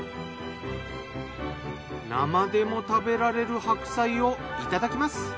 生でも食べられる白菜をいただきます。